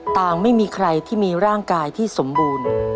ต่างไม่มีใครที่มีร่างกายที่สมบูรณ์